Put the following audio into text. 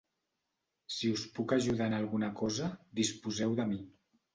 Si us puc ajudar en alguna cosa, disposeu de mi.